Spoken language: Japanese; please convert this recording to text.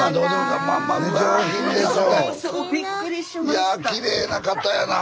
いやきれいな方やな。